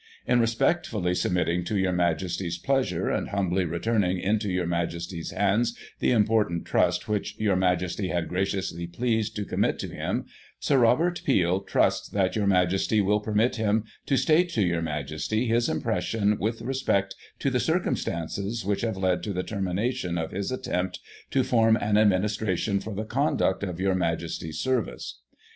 "' In respectfully submitting to your Majesty's pleasure, and humbly returning into your Majesty's hands the important trust which your Majesty had graciously pleased to commit to him, Sir Robert Peel trusts that your Majesty will permit him to state to your Majesty his impression with respect to the circumstances which have led to the termination of his attempt to form an Administration for the conduct of your Majesty's service.